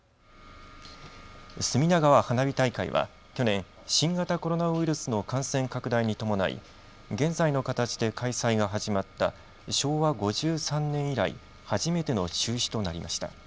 隅田川花火大会は去年、新型コロナウイルスの感染拡大に伴い現在の形で開催が始まった昭和５３年以来、初めての中止となりました。